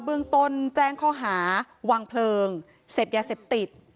เมืองต้นแจ้งข้อหาวางเพลิงเสพยาเสพติด